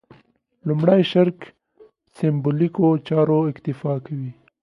لومړي شرک سېمبولیکو چارو اکتفا کوي.